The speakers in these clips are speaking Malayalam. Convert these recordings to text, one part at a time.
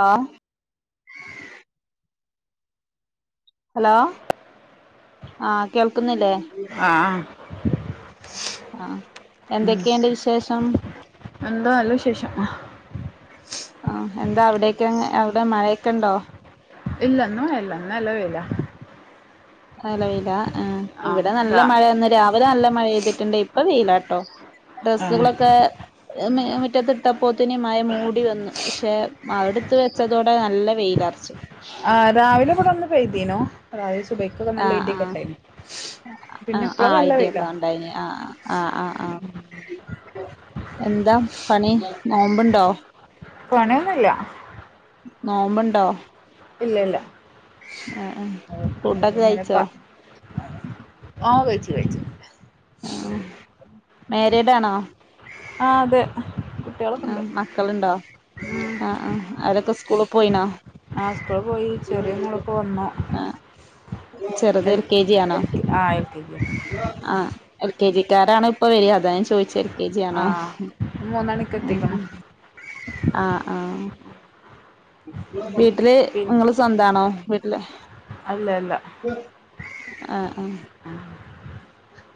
ആഹ് [unintelligible] ഹലോ ആഹ് കേൾക്കുന്നില്ലേ ആഹ് ആഹ് എന്തൊക്കെയുണ്ട് വിശേഷം എന്താ നല്ല വിശേഷം ആ എന്താ അവിടേക്കങ് അവിടെ മഴേക്കെ ണ്ടോ? ഇല്ലെന്നോ ഇല്ലന്ന അല്ലവല നിലവില ആഹ് ഇവിടെ നല്ല രാ മഴയന്ന് രാവിലെ നല്ല മഴെയ്തിട്ടുണ്ട് അതല്ല കേട്ടോ ആഹ് ഡ്രസ്സുകളൊക്കെ മുറ്റത്തിട്ടപ്പോത്തിന് മ മൂടി വന്നു പക്ഷെ അവിടുത്ത് വെച്ചതോടെ നല്ല വെയിലറച്ചു ആ രാവിലെ ഇവിടെ വന്ന് പതീനോ രാവിലെ സുബക്കൊക്കെ നല്ല ഇതിൊക്കെ ഉണ്ടായിന ആ് ആ് ഐഡയ ഒക്കെ ഉണ്ടായി ആ് ആ ആ് ആ് ആ എന്താ പണി നോമ്പുണ്ടോ പണിയൊന്നില്ല നോമ്പുണ്ടോ ഇല്ല ആ ഫുഡൊക്കെ കഴിച്ചോ ആഹ വെച്ചി വേച്ചു ആ മേരഡ ആണോ ആഹ് അതെ കുട്ടികളൊക്കെ ആ ഉണ്ട് മക്കളുണ്ടോ ഉം ആ ആ ആരൊക്കെ സ്കൂള പോയിണോ ആാസ്പിൾ പോയി ചെറിയ മോളപ്പോ വന്നു ചെറുത് എൽ കെ ജി ആണോ എൽ കെ ആഹ് എൽ കെ ജി ആ എൽ കെ ജി ിക്കാരാണോ ഇപ്പൊ വര അതൻ ചോദിച്ച എൽ കെ ജി ആണോ ആഹ് മൂന്നണിക്ക് ഉ ഉ എത്തിക്കണം ആഹ ആഹ പി വീട്ടില് പിൻ നിങ്ങള് സ്വന്താണോ വീട്ടില് അല്ല അല്ല ആഹ ആഹ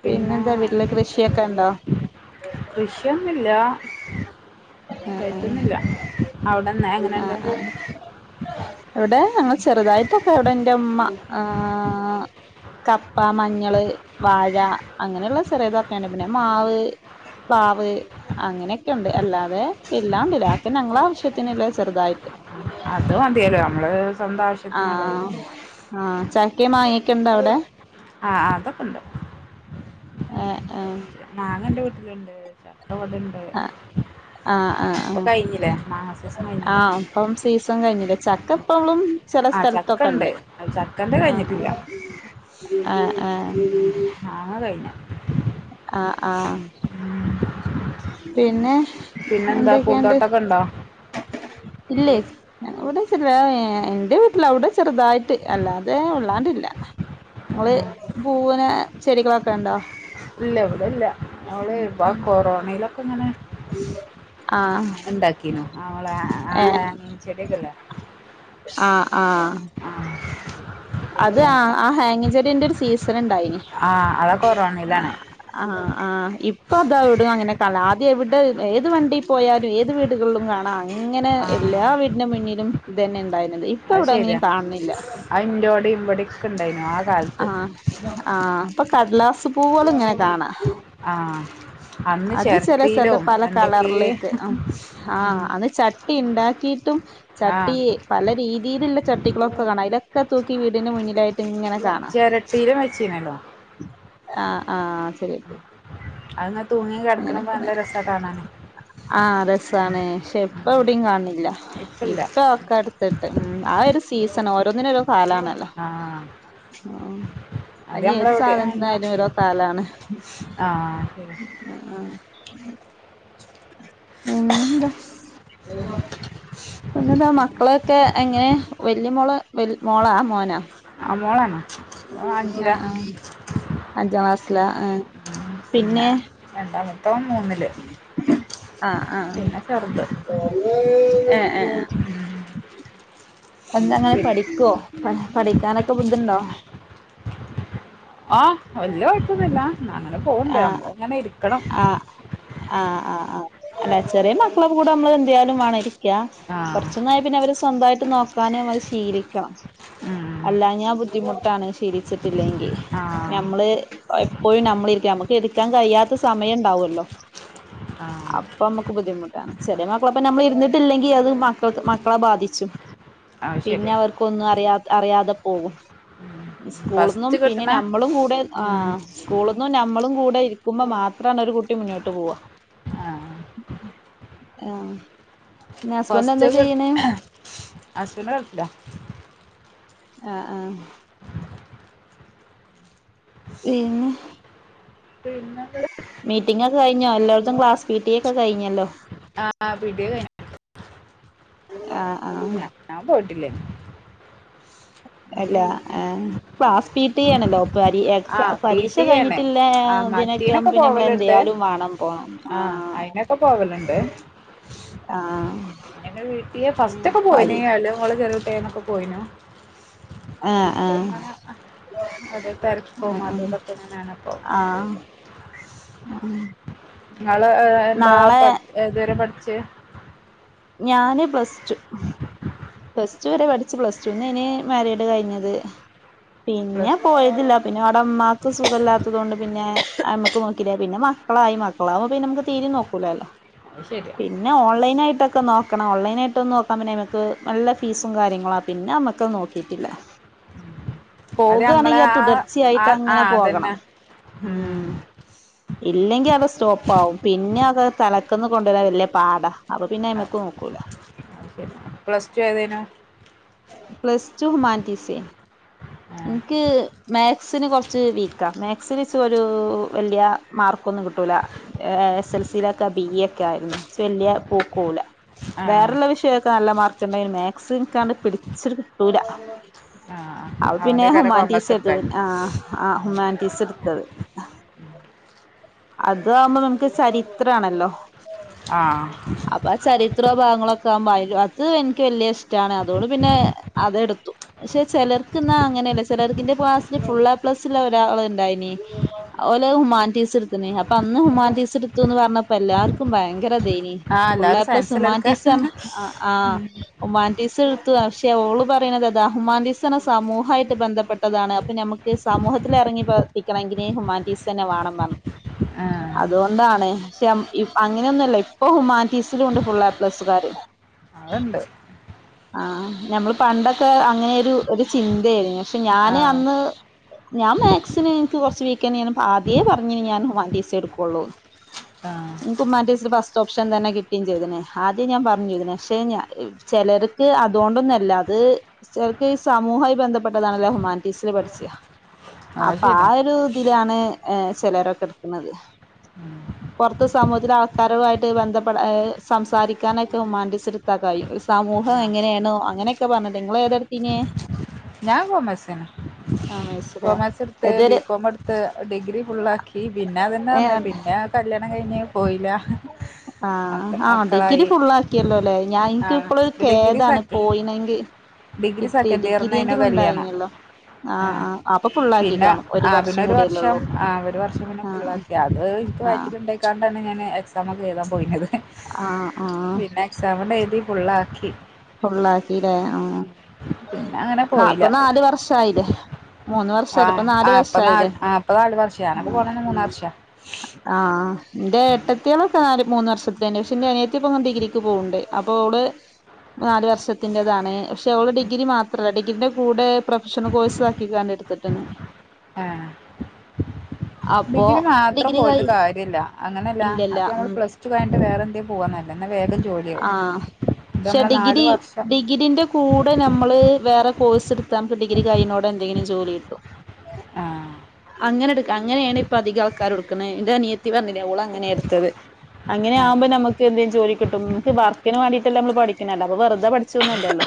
പിന്നെ എന്താ വീട്ടിലേക്ക് കൃഷിയൊക്കെ ഉണ്ടോ കൃഷിയൊന്നുല്ല ആഹ ആ കഴിക്കുന്നില്ല അവിടെന്ന് എങ്ങനെയുണ്ട് ആഹ ആ ഇവിടെ ഞങ്ങൾ ചെറുതായിട്ടൊക്കെ എവിടെ എന്റെമ്മ ആഹ കപ്പ, മഞ്ഞള്, വാഴ, അങ്ങനെയുള്ള ചെറ ഇതൊക്കണ്ട് പിന്നെ മാവ്- പാവ് അങ്ങനെയൊക്കെ ഉണ്ട് അല്ലാതെ ഇല്ലാണ്ടില്ലപ്പെ ഞങ്ങള ആവശ്യത്തിന്ല്ലേ ചെറുതായിട്ട് അത് മതില്ലേ നമ്മള് സ്വന്തം ആവശ്യത്തിനുള്ളത് ആഹ ആഹ ചക്കേ വാങ്ങിയക്കെണ്ട അവിടെ ആഹ അതൊക്കെണ്ട് ആഹ ആഹ ട്ടണ്ട് ആ ചട്ടടണ്ട്പ്പൊ കഴിഞ്ഞില്ലേ മാ ആഹ ഇപ്പം സീസൺ കഴിഞ്ഞില്ല ചക്കപ്പളും ചെില ആ ചക്ക സ്ഥലത്തൊക്കെ ഉണ്ട് ചക്കന്റെ ആഹ കഴിഞ്ഞിട്ടില്ല ആഹ ആ ഉം മാങ്ങ കഴിഞ്ഞു ആ ആഹ ഉം പിന്നെ പിന്നെന്താ എന്തൊക്കെയണ്ട് പൂന്തോട്ടൊക്കെ ഉണ്ടോ ഇല്ലേ ഞവിടെ ചെറ എന്റെ വീട്ടില അവിടെ ചെറുതായിട്ട് അല്ലാതെ ഉള്ളാണ്ടില്ല നിങ്ങള് ആ, പൂവിനെ ചെടികളൊക്കെ ഉണ്ടോ ഇല്ല ഇവിടെല്ല നമ്മള് ഇപ്പ ആ കൊറോണയില ആഹ ഉണ്ടാക്കീനു അവളെ ആ ഏ ഹാങ്ങിങ് ചെടിയൊക്കെല്ലേ ആഹ ആഹ ആ അത് ആ പിന്നെ ആ ഹാങ്ങിചെടന്റെ- സീസൺ ആ അതൊ കൊറോണയിലാണ് ഉണ്ടായിപ്പൊ അതട അങ്ങനെ ല ആദ്യം എവിടെ ഏത് വണ്ടിയിൽ പോയാലും ഏത് വീടുകളിലും കാണാ അങ്ങനെ എല്ലാ ആ വീടിന്റെ മുന്നിലും ഇത് തന്നെ ഉണ്ടായിരുന്നത് ഇപ്പൊ അത് ഇവിടെ അങ്ങനും ശരിയാ കാണുന്നില്ല അത് ഇൻ്റോടെ ഇവിടെയൊക്കെ ഉണ്ടായിനു ആ കാലത്ത് ആഹ ആഹ ഇപ്പൊ കടലാസ് പൂകൾ ഇങ്ങനെ കാണാം ആ അന്ന് അത് ചെറിയ ചെറുത് ചിരട്ടയിലും പല എന്തൊക്കെ കളറിലേക്ക് ഉം ആഹ് അത് ചട്ടി ഉണ്ടാക്കിട്ടും ആ ചട്ടി പല രീതിയിലുള്ള ചട്ടികളൊക്കെ കാണാം ഇതൊക്കെ തൂക്കി വീടിന് മുന്നിലായിട്ട് ഇങ്ങനെ കാണാം ചിരട്ടിയിലും വെച്ചുന്നല്ലോ ആഹ ശരി ശ അങ്ങനങ് തൂങ്ങി കിടക്ക്പൾ നല്ല രസട്ടണാൻ ആഹ രസമാണ് പക്ഷെ ഉം. ഇപ്പ എവിടയും കാണില്ല ഇപ്പില്ല ഇപ്പൊ ഒക്കെ അടുത്തിട്ട് ഉ ആ ഒരു സീസൺ ഓരോന്നിനും ഒരു കാലമാണ് ആ ല അത് അനി ഏത് നമ്മളെവിടെ എന്നാ സാധനത്തിനായാലും ഓരോ കാലാണ് ആ ശരി ഉ [inaudible] [unintelligible] എന്നന്നതാ മക്കളൊക്കെ എങ്ങനെ വല്യ മോള മോളാ മോനാ ആ മോളാണോ ഓൻ അഞ്ചിലാ ആഹ ആ അഞ്ചാം ക്ലാസ്സില ആഹ പിന്നെ [unintelligible] മൂന്നില് ആഹ പിന്നെ ചെറുത് ആഹ ആഹ ഉം. ആഹ ആഹ എന്താ അങ്ങനെ പി- പഠിക്കുവോ പ പഠിക്കാനൊക്കെ ബുദ്ധിണ്ടോ ആഹ് വല്യ കുഴപ്പന്നില്ല അങ്ങനെ പോവണ്ടേ ആഹ് നമ്മ അങ്ങനെ ഇരിക്കണം ആ ആ അല്ലെ ചെറിയ മക്കള കൂടെ നമ്മള് ാലും വേ ഇരിക്ക ആ കൊറച്ചന്നായി പിന്നെ അവര് സ്വന്തമായിട്ട് നോക്കാനും അത് ശീലിക്കണം ഉം. അല്ല ഞാൻ ബുദ്ധിമുട്ടാണ് ശീരിച്ചിട്ടില്ലെങ്കിൽ ആ ഞമ്മള് [unintelligible] പോയി നമ്മളിരിക്ക നമുക്ക് എടുക്കാൻ കഴിയാത്ത സമയം ഉണ്ടാവല്ലോ ആഹ ബുദ്ധിമുട്ടാണ് ചെ മക്കളപ്പ നമ്മൾ ഇരുന്നിട്ടില്ലെങ്കിൽ അത് മക്കൾ മക്കളെ ബാധിച്ചു ആ പിന്നെ ശരി അവർ ക്കേഒന്നും അറിയാ അറിയാതെ പോകും സ്കൂള്നിന്നും ഫസ്റ്റ് പിന്നെ കിട്ടണ നമ്മളും കൂടെ ആ ഉം. സ്കൂള് നമ്മളും കൂടെ ഇരിക്കുമ്പോ മാത്രണ ഒരു കുട്ടി മുന്നോട്ട് പോവാ ആ ആഹ ഫസ്റ്റ് അശ്വിന കട്ടില്ല ആഹ ആഹ [unintelligible] [inaudible] [unintelligible] പിന്നെ മീറ്റിങ്ങക്കെ കഴിഞ്ഞോ എല്ലായിടത്തും ക്ലാസ് കിട്ടിയൊക്കെ കഴിഞ്ഞല്ലോ ആഹ് പിട [unintelligible] ആഹ് ഞ ആഹ് ഞാൻ പോയിട്ടില്ലേ അല്ല [unintelligible] ആ പി പരീക്ഷ ടി ആണ് കഴിഞ്ഞിട്ടില്ല ആ ഇതിനൊക്കെ മറ്റീനൊക്കെ പിന്നെ നമ്മള എന്ത പോവലുണ്ട് ചെയ്യാലും വേണം പോണം ആ അതിനൊക്കെ പോവലുണ്ട് ആഹ ഇറ്റൊക്കെ പോയിനയാള് മോള് ചെറിയട്ടൈനൊക്കെ പോയിനു ആഹ് ഇപ്പ ആഹ് ഇങ്ങനെ അത് തലപ്പവും ആഹ് അതതൊക്കെങ്ങനെയാണ് പോകുന്നത് ആ ങ്ങള്ൾ എന്താ നാളെ ഏതുവരെ പഠിച്ച് ഞാന് പ്ലസ് ടു പ്ലസ് ചൂരെ പഠിച്ചു പ്ലസ് ടുന്ന് ഇന് മരിയേഡ് കഴിഞ്ഞത് പിന്നെ പ്ലസ് ടു പോയതില്ല പിന്നെ അവിടെ അമ്മാക്ക് സുഖമല്ലാത്തത് കൊൊണ്ട് പിന്നെ അ അമ്മക്ക് നോക്കില്ലേ പിന്നെ മക മക്കളായി മക്കളാവ്പോന്നെ നമുക്ക് തീരി നോക്കൂലല്ലോ അത് ശരിയാ പിന്നെ ഓൺലൈൻ ആയിട്ടൊ ഓൺലൈനായിയിട്ട്ന്നന്ന് നോക്കാൻന്നെമക്ക് നല്ല ഫീസും കാര്യങ്ങള ആ പിന്നെ നമ്മക്ക് നോക്കിട്ടില്ല [inaudible] അത് നമ്മളെ പോകയാണെങ്കിൽ ആ ആ തുടർച്ചയായിട്ട് ആ അങ്ങനെ പോകണം അതന്നെ ഉം ഇല്ലെങ്കി അടെ സ്റ്റോപ്പ ആാവും പിന്നെ അത്െ തലക്കന്ന് കൊണ്ടുവരാൻ വലിയ പാടാ അപ അത് പ്ലസ് ടു എതയിനു പ്ലസ് ടു ഹുമാനിറ്റീസ് എനിക്ക് മാക്സ് കൊറച്ച് വീക്ക മേ [unintelligible] ഒരു വലിയ മാർക്കൊന്നും കിട്ടല എസ് എൽ സയിലൊക്കെ ബി എ ഒക്കെ ആയിരുന്നു [unintelligible] ആ വേറെള്ള വിഷയമൊക്കെ നല്ല മാർക്ക്ുണ്ടന് മാക്സി കാണ്ട് പിടിച്ചി കിട്ടൂല ആ അ പിന്നെ അവന്റെക്കാരം ഹുമാൻ ടീസ് കോമേഴ്സ് എടുത്തു എടുത്തെ പിന്നെ ആ ആ് ഹുമാൻ ടീസ് എടുത്തത് അത ആകുമ്പോ നമുക്ക് ചരിത്ര ആണല്ലോ ആ ങ്ങളൊക്കെ ആകുമ്പോ അത് എനിക്ക് വലിയ ഇഷ്ടമാണ് അതോണ്ട് പിന്നെ അതെടുത്തു പക്ഷെ ചിലർക്ക് എന്ന അങ്ങനെയല്ല ചിലർക്കിന്റെ പക്ലാസ്സിൽ ഫുള്ള പ്ലസ്ള്ള ഒരാള ഉണ്ടായിനി ലെ ഹുമാൻ ടീസ എടുത്ണ് അപ്പൊ അന്ന് ഹുമാൻ എടുത്തുന്ന് പറഞ്ഞപ്പോ എല്ലാർക്കും ഭയങ്കര ആഹ എല്ലാരും സയൻസ് ഒമാൻ ടീസ് ആ ഹുമാനിറ്റീസ് [unintelligible] ഓള് പറയണത് അതാ ഹുമാനിറ്റീസ് സമൂഹമായിട്ട് ബന്ധപ്പെട്ടതാണ് അപ്പൊ നമുക്ക് സമൂഹത്തില ഇറങ്ങി പ്രവർത്തിക്കണേ മേങ്കിൽ ഹുമാറ്റീസ്ന്നെ വേണം പറഞ്ഞു ആ അതുകൊണ്ടാണ് പക്ഷെ അങ്ങനെയൊന്നുമല്ല ഇപ്പൊ ഹുമാൻറ്റീസ് ണ്ട് ഫുൾ ആപ്പ്ലസ് കാര് അതുണ്ട് ആഹ ഞമ്മള് പണ്ടൊക്കെ അങ്ങനെ ഒരു ചിന്തയായിരുന്നു പക്ഷെ ആ ഞാന് അന്ന് ഞാൻ മാത്സിന് എനിക്ക് കുറച്ച് വീക്ക ഞൻ ആദ്യയേ പറഞ്ഞ ഞാൻ ഹുമാൻറ്റീസ എടുക്കുള്ളു ആ ഇക്ക്റ്റീസ ബസ്റ്റ് ഓഷൻ തന്നെക്കിട്ട കിട്ടി ചെയ്ത്ണ് ആദ്യം ഞാൻ പറഞ്ഞുചെയ്ത്ണ് പക്ഷെ ചിലർക്ക് അതുകൊണ്ടൊന്നല്ല അത് അത സമൂഹമായി ബന്ധപ്പെട്ടതാണ്ണല്ല ഹുമാനിറ്റീസ് പഠിച്ച അത് അപ്പൊ ആ ശരിയാ ഒരു ഇതിലാണ് ഏ ചിലരൊക്കെ എടുക്കുന്നത് ഉം പുറത്ത് സമൂഹത്തിൽ ആൾക്കാരുവമായിട്ട് ബന്ധപ്പെട്ട സംസാരിക്കാനൊക്കെമാൻറ്റസെടുത്താ കാര് സമൂഹം ആ എങ്ങനെയാണോ അങ്ങനെയൊക്കെ പറഞ്ഞത് നിങ്ങള ത ത്തിനെ ഞാ കൊ മസിന് ആഹ് മനസ്സിലായി കോമേഴ്സൊടുത്ത് ബി ഏതൊരു കോമെടുത്ത് ഡിഗ്രി ഫുള്ളാക്കി. പിന്നെ അതന്നെ ന്നെ ഏഹ് പിന്നെ കല്യാ കഴിഞ്ഞ് പോയില്ല. അ മക്ക അ ഡിഗ്രി മക്കളായി ഫുള്ളാക്കിയല്ലല്ലേ. ഞാൻ ആ എനിക്ക് ഇപ്പോളയൊരു ഡിഗ്രി കേദാണ് സെക്ക പോയിന്നെങ്കിൽ. ഡിഗ്രി സെക്കന്റിയർ എങ്കിലുണ്ടായിഞ്ഞല്ലോ ആ പിന്നെ ആ പിന്നെ ഒരു വർഷം ആ ഒരു വർഷം പിന്നെ ആഹ് ഫുള്ളാക്കി. അത് എനിക്ക് ആഹ് വയിറ്റിലുണ്ടായിക്കാണ്ട ഞാന് എക്സാം ഒക്കെഴുതാപ്പോയിന്നത്. ആ ആ ത് ഫുള്ളാക്കി ഫുള്ളാക്കില്ലേ? പിന്നെ അങ്ങനെ ആഹ് പോയില്ല അപ്പ നാല് വർഷമായില്ലേ. മൂന്ന് ആ വർഷമല്ല. ഇപ്പൊ നാല് ആ ഇപ്പ വർഷായില്ലേ നാല് ആ ഇപ്പ നാല് വർഷാ ഞാനൊക്കെ ഉം പോണന്ന് മൂന്ന് ഉം വർഷാ ആഹ് എന്റെ ഏട്ടത്തിയണ് നാല് മൂന്ന് വർഷത്തിന്റെ. പക്ഷെ എന്റെനിയത്തിപ്പൊ ഡിഗ്രിക്ക് പോവൊണ്ട്. അപ്പോ അവള്. നാല് വർഷത്തിന്റെതാണ്. പക്ഷെ ഓള് ഡിഗ്രി മാത്രമല്ല. ഡിഗ്രിന്റെ കൂടെ പ്രൊഫഷണൽ കോഴ്സാക്കിക്കാണ്ട്. എടുത്തിണ് ആ [inaudible] ഡിഗ്രി മാത്രം ഡിഗ്രി പോയിട്ട് കഴി കാര്യല്ല. അങ്ങെനെയല്ല. ഇല്ലല്ല അപ്പം നമ്മള് ഉം പ്ലസ് ടു കഴിയ്ട്ട് വെറെന്തേം പോവ നല്ല ന്നെ ജോലിയാവും ആഹ് ഇത് പക്ഷെ നമ്മളെ നാല് ഡിഗ്രി വർഷം ഡിഗ്രീന്റെക്കൂടെ നമ്മെള്. വെറെ കോഴ്സെടുത്താൻ ഡിഗ്രിക്കഴിയുതോടെ എന്തെങ്കിലും ജോലി കിട്ടോ? ആ അങ്ങനെ എടുക്ക അങ്ങനെയാണ് ഇപ്പധികയാൾക്കാരെടുക്കുന്നെ. എന്റെ അനിയത്തി പറഞ്ഞില്ലെ അവൾ അങ്ങനെയെടുത്തത്. ആഹ് അങ്ങനെയാമ്പം നമ്മുക്ക് എന്തേ ജോലി കിട്ടും. ഇപ്പവർക്കിന് വേണ്ടിയിട്ടല്ലേ നമ്മൾ പഠി പിന്നെല്ലാതെ വെറ്തെ പഠിച്ചൊന്നല്ലല്ലോ.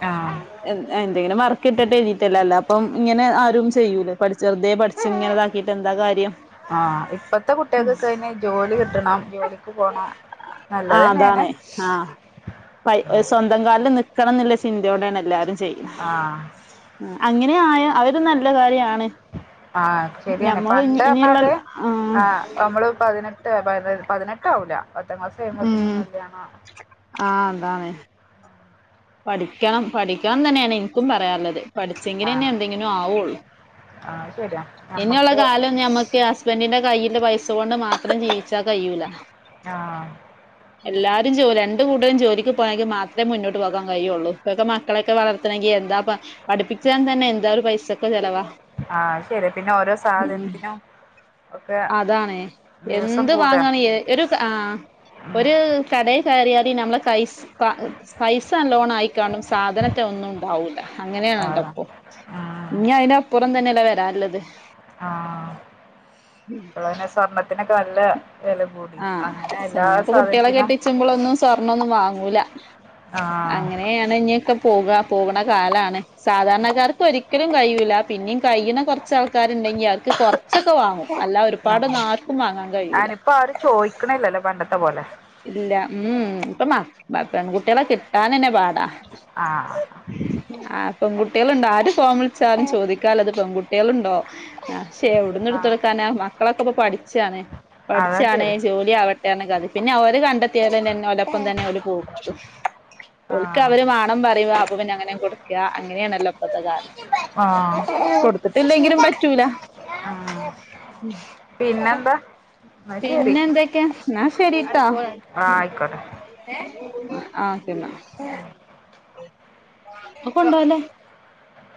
അ എൻ എന്തെങ്കിലും വർക്ക് കിട്ടട്ടെ കരുതിയിട്ടല്ലേ. അല്ലപ്പം ഇങ്ങനെ ആരും ചെയ്യൂല. പഠിച്ച് വെറ്തെ പഠിച്ചിങ്ങനെതാ- ക്കിട്ട് എന്താ കാര്യം ആ ഇപ്പത്തെ കുട്ടികൾക്കെഴിഞ്ഞാ ജോലി കിട്ടണം, ജോലിക്ക് പോണം ആ നല്ലതന്നെയാണ്. ഏ സ്വന്തം കാലിൽ നിക്കണന്നെന്നുള്ള ചിന്തയോടൊണ് എല്ലാരും ചെയ്യണേ. ആഹ് അങ്ങനെയായ അവെര് നല്ല കാര്യാണ്. ആഹ് ശെരിയാണ്. ഞമ്മൾ പണ്ട് ഇനിയുള്ള റഞ്ഞാല് ആ നമ്മെള് പതിനെട്ട് പത് പതി പതിനെട്ട് ആവൂല. പത്താം ക്ലാസ് ഉം കഴിയുമ്പോയൊത്തന്നില്ല്യാണമാ. ആ അതാണ് പഠിക്കണം പഠിക്കണ ന്നെയാണ് എനിക്കും പറയള്ളത്. പഠിച്ചെങ്കിനന്നെ ആഹ് എന്തെങ്കിനും ആവോള്ളൂ. ആഹ് ശരിയാ ഇനിയൊള്ള നമ്മക്ക് കാലം ഞമ്മക്ക് ഹസ്ബന്റിന്റെ കയ്യില് പൈസ കൊണ്ട് മാത്രം ജീവിച്ചാ കഴിയൂല. ആഹ് എല്ലാരും ജോ രണ്ട് കൂട്ടരും ജോലിക്ക് പോയാെങ്കി മാത്രേ മുന്നോട്ട് പോകാൻ കഴിക്കൊള്ളൂ. ഇപ്പെക്കെ മക്കളെക്കെ വളർത്തണങ്കിയെന്താ പാറയാ പഠിപ്പിച്ചാൻ തന്നെ എന്തേറു പൈസക്കെ ചെലവാ. അതെ പിന്നെ ഓരോ ഉം സാധനത്തിനോ അതാണ്. എന്ത് കൂടാ വാങ്ങണെ ഏ ഒരു ക ആഹ് ഉം ഒരു കടേ കയറിയാൽ നമ്മെളെ കയ്യിൽ സ് പൈ പൈസനല്ലോണയി കാണും. സാധനത്തെ ഒന്നും ഉണ്ടാവുല്ല. ആഹ് അങ്ങനെയാണല്ലോയിപ്പൊ. ഇനി അതിനനപ്പുറം തന്നെയല്ല വെരാനൊള്ളത്. ആഹ് ഇപ്പള്ന്നെ സ്വർണത്തിനൊക്കെ നല്ലേ ആഹ്, സുന്നത്ത് കുട്ടികളെ സാധനത്തിനും കെട്ടിച്ചമ്പളൊന്നും സ്വർണ്ണൊന്നും വാങ്ങൂല. ആഹ് അങ്ങനെയാണിനിക്കെ പോക്‌ക. പോകണ കാലണ് സാധാരണക്കാർക്ക് ഒരിക്കലും കഴിയുല്ല പിന്നെയും കഴിയുന്ന കുറച്ച ആൾക്കാരുണ്ടെങ്കി അവർക്ക് കൊറച്ചൊക്കെ വാങ്ങും അല്ല ഒരുപാട് നർക്കും വാങ്ങാൻ കഴിയൂല ചോദിക്കണില്ലല്ലോ പണ്ടത്തെ പോലെ ഇല്ല ഉം ട്ടമാ ബപ്പ ഗുട്ടിയ എല്ല കിട്ടാ നനെ ബാടാ ആ ആ പെൺകുട്ടികളുണ്ടോ ആര് ഫോം വിളിച്ചാരും ചോദിക്കാാലത് പെൺകുട്ടികളുണ്ടോ ആ പക്ഷെ എവടന്ന് ആഹ് ഇടുതൊടുക്കാന മക്കളൊക്കെ ഇപ്പോ പഠിച്ചാണ് അതാ പഠിച്ചാണ് ശരി ജോലി ആവട്ടെന്ന കഥ പിന്നെ അവര് കണ്ടെത്തിയാലുംെ ഒലപ്പം തന്നെ അവര് പോൂടുത്തു ഒക്ക് ആഹ് അവര് വേണം പറ അപ്പ പിന്നെ അങ്ങനെ കൊടുക അങ്ങനെയണല്ലോ ഇപത്തെ കാലം ആഹ് കൊടുത്തിട്ടില്ലെങ്കിലും പറ്റൂല ആഹ് ഉ പിന്നെന്താ എന്നാ ശരി പിന്നെ എന്തൊക്കെയ ന്നാ ശരിട്ടാ ആഹ് ആയിക്കോട്ടെ ആക്കെന്നാ ത്കൊണ്ടല്ലേ